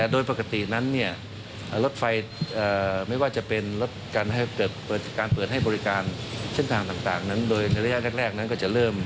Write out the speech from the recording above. โดยในระยะแรกนั้นก็จะเริ่ม